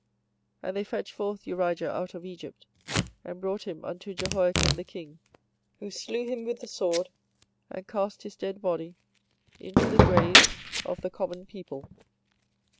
24:026:023 And they fetched forth Urijah out of Egypt, and brought him unto Jehoiakim the king; who slew him with the sword, and cast his dead body into the graves of the common people.